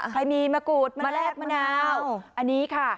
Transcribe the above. ใครมีมะกรูดมาแลกมะนาวอันนี้ค่ะ